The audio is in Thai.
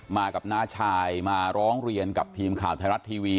มากับน้าชายมาร้องเรียนกับทีมข่าวไทยรัฐทีวี